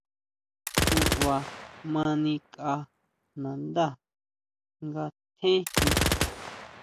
Xuʼba ma nikʼa nandá nga tjéjin.